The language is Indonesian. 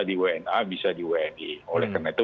di wna bisa di wni oleh karena itu